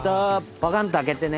パカンと開けてね。